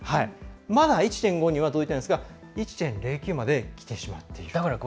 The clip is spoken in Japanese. まだ、１．５度には届いてないんですが１．０９まできてしまっている。